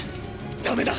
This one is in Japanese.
ダメだ。